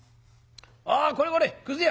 「あこれこれくず屋！